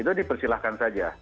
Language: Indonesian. itu dipersilahkan saja